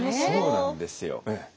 そうなんですよ。